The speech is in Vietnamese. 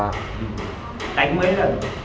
đánh mấy lần